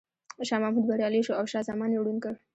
شاه محمود بریالی شو او شاه زمان یې ړوند کړ.